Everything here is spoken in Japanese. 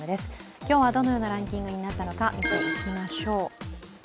今日はどのようなランキングになったのか見ていきましょう。